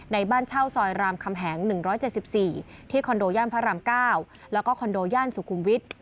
บ้านเช่าซอยรามคำแหง๑๗๔ที่คอนโดย่านพระราม๙แล้วก็คอนโดย่านสุขุมวิทย์